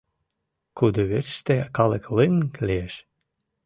Кудывечыште калык лыҥ лиеш.